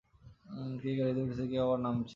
কেউ গাড়িতে উঠছেন, কেউ আবার নামছেন।